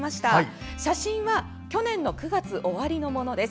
写真は去年９月終わりのものです。